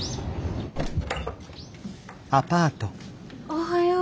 おはよう。